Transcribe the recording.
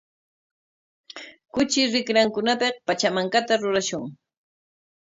Kuchi rikrankunapik pachamankata rurashun.